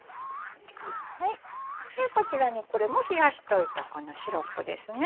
こちらにこれも冷やしといたこのシロップですね。